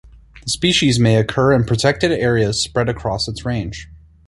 The species may occur in protected areas spread across its range.